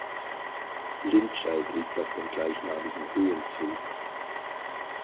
Lindscheid liegt auf dem gleichnamigen Höhenzug.